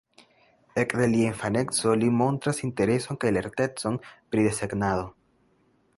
Ekde lia infaneco, li montras intereson kaj lertecon pri desegnado.